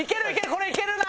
これいけるな。